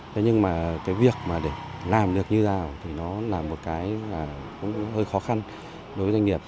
thế nhưng mà cái việc mà để làm được như thế nào thì nó là một cái cũng hơi khó khăn đối với doanh nghiệp